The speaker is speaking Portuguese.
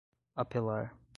apelar